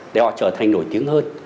để họ trở thành nổi tiếng hơn